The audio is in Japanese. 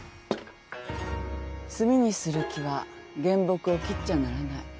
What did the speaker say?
炭にする木は原木を切っちゃならない。